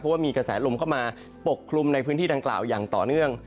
เพราะว่ามีกระแสลมเข้ามาปกคลุมในพื้นที่ดังกล่าวอย่างต่อเนื่อง